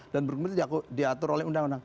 dan berkumpul itu diatur oleh undang undang